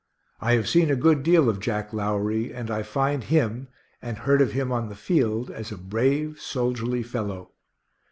I have seen a good deal of Jack Lowery, and I find him, and heard of him on the field, as a brave, soldierly fellow.